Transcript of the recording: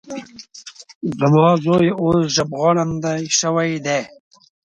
زما زوی اوس ژبغړاندی شوی دی.